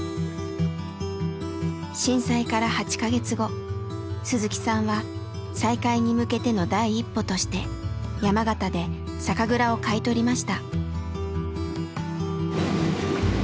震災から８か月後鈴木さんは再開に向けての第一歩として山形で酒蔵を買い取りました。